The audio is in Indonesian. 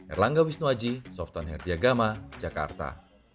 erlangga wisnuaji softan herdiagama jakarta